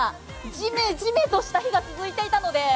ジメジメとした日が続いていたので。